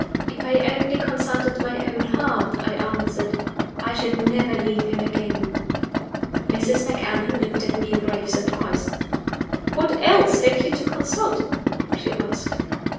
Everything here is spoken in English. "If I only consulted my own heart," I answered, "I should never leave him again." Mrs. Macallan looked at me in grave surprise. "What else have you to consult?" she asked.